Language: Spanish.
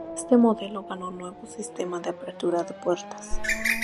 Este modelo ganó nuevo sistema de apertura de puertas.